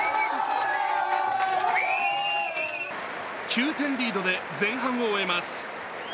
９点リードで前半を終えます。